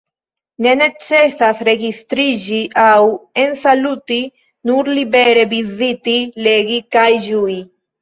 Ne necesas registriĝi aŭ ensaluti – nur libere viziti, legi kaj ĝui.